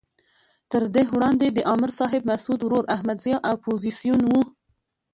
تر ده وړاندې د امر صاحب مسعود ورور احمد ضیاء اپوزیسون وو.